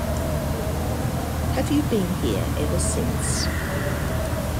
Have you been here ever since?